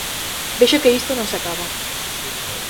Vexo que isto non se acaba.